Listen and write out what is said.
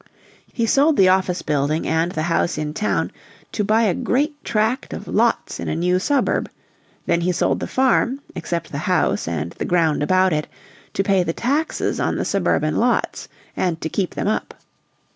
He sold the office building and the house in town to buy a great tract of lots in a new suburb; then he sold the farm, except the house and the ground about it, to pay the taxes on the suburban lots and to "keep them up."